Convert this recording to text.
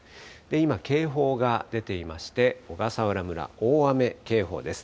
今、警報が出ていまして、小笠原村、大雨警報です。